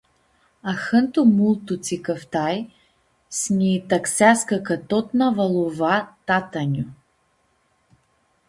Ahãntu multu tsi cãftai s-nji tãxeascã ca totãna va lu va tatã-nju.